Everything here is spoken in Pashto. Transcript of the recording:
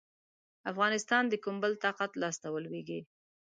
افغانستان د کوم بل طاقت لاسته ولوېږي.